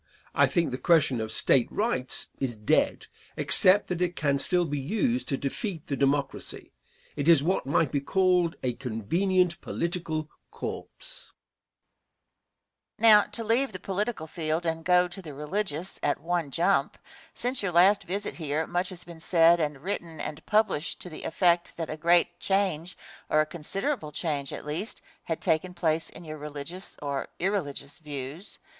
I think the question of State Rights is dead, except that it can still be used to defeat the Democracy. It is what might be called a convenient political corpse. Question. Now, to leave the political field and go to the religious at one jump since your last visit here much has been said and written and published to the effect that a great change, or a considerable change at least, had taken place in your religious, or irreligious views.